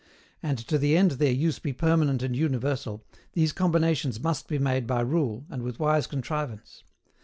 And, to the end their use be permanent and universal, these combinations must be made by rule, and with wise contrivance.